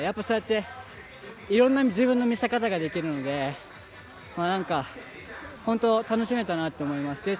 そうやって、いろんな自分の見せ方ができるので本当に楽しめたなと思います。